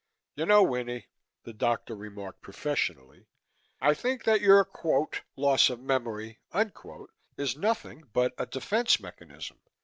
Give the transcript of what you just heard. "You know, Winnie," the doctor remarked professionally, "I think that your quote loss of memory unquote is nothing but a defense mechanism.